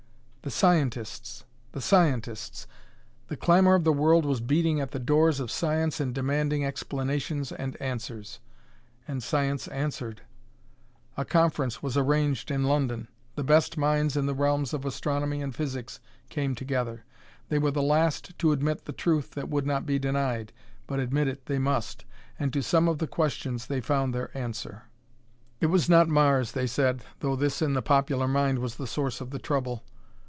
The scientists! The scientists! The clamor of the world was beating at the doors of science and demanding explanations and answers. And science answered. A conference was arranged in London; the best minds in the realms of astronomy and physics came together. They were the last to admit the truth that would not be denied, but admit it they must. And to some of the questions they found their answer. It was not Mars, they said, though this in the popular mind was the source of the trouble.